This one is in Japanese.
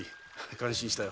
感心したよ。